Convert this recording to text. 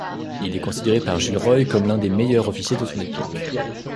Il est considéré par Jules Roy comme l'un des meilleurs officiers de son époque.